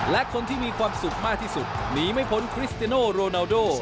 และคนที่มีความสุขมากที่สุดหนีไม่พ้นคริสเตโนโรนาโด